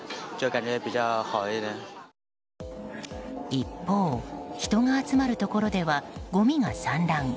一方、人が集まるところではごみが散乱。